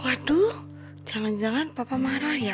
waduh jangan jangan papa marah ya